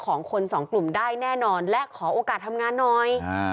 ของคนสองกลุ่มได้แน่นอนและขอโอกาสทำงานหน่อยอ่า